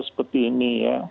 seperti ini ya